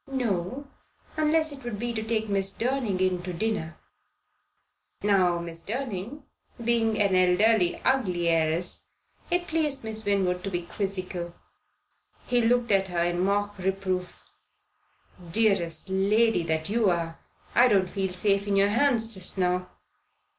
"No unless it would be to take Miss Durning in to dinner." Now Miss Durning being an elderly, ugly heiress, it pleased Miss Winwood to be quizzical. He looked at her in mock reproof. "Dearest lady that you are, I don't feel safe in your hands just now.